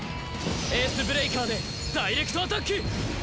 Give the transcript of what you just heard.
エースブレイカーでダイレクトアタック！